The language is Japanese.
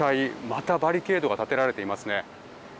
またバリケードが建てられています。